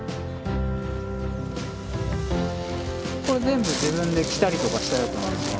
これ全部自分で着たりとかしたやつなんですか？